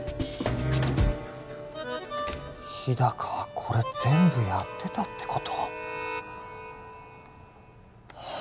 日高はこれ全部やってたってこと？